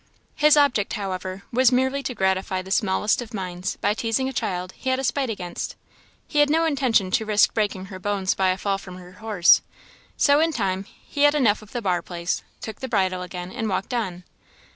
His object, however, was merely to gratify the smallest of minds by teasing a child he had a spite against; he had no intention to risk breaking her bones by a fall from her horse; so in time he had enough of the bar place; took the bridle again, and walked on.